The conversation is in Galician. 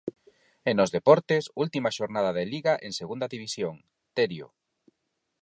E nos deportes, última xornada de Liga en Segunda División, Terio.